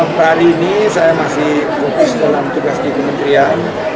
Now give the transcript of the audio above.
sampai hari ini saya masih fokus dalam tugas di kementerian